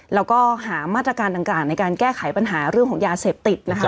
แล้วก็หามาตรการต่างในการแก้ไขปัญหาเรื่องของยาเสพติดนะคะ